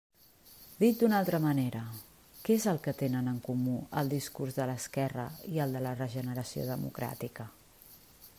Dit d'una altra manera: ¿què és el que tenen en comú el discurs de l'esquerra i el de la regeneració democràtica?